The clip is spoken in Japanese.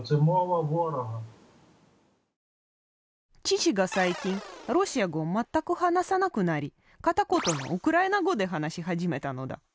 父が最近ロシア語を全く話さなくなり片言のウクライナ語で話し始めたのだ。